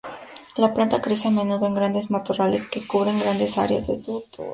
La planta crece a menudo en grandes matorrales, que cubren grandes áreas de sotobosque.